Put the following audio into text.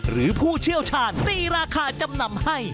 ผู้เชี่ยวชาญตีราคาจำนำให้